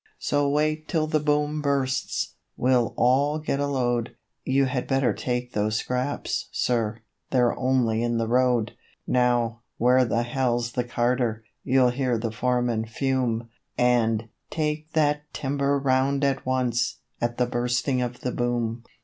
So wait till the Boom bursts! we'll all get a load. 'You had better take those scraps, sir, they're only in the road.' 'Now, where the hell's the carter?' you'll hear the foreman fume; And, 'Take that timber round at once!' at the Bursting of the Boom.